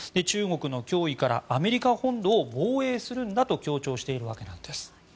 中国の脅威からアメリカ本土を防衛するんだと強調しているんです。